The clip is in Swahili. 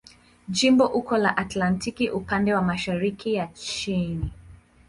Jimbo uko la Atlantiki na upande wa mashariki ya nchi.